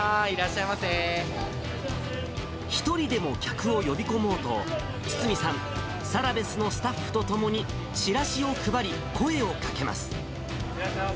一人でも客を呼び込もうと、堤さん、サラベスのスタッフと共に、チラシを配り、声をかけます。